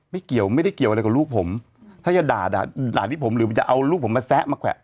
ไม่เกี่ยวไม่ได้เกี่ยวอะไรกับลูกผมถ้าจะด่าด่าที่ผมหรือจะเอาลูกผมมาแซะมาแขวะ